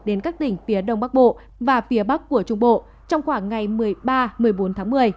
đến các tỉnh phía đông bắc bộ và phía bắc của trung bộ trong khoảng ngày một mươi ba một mươi bốn tháng một mươi